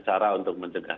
cara untuk mencegah